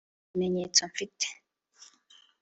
nta kimenyetso mfite